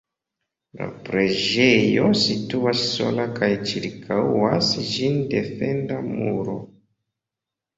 La preĝejo situas sola kaj ĉirkaŭas ĝin defenda muro.